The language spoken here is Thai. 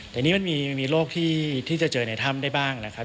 แต่นี่มันมีโรคที่จะเจอในถ้ำได้บ้างนะครับ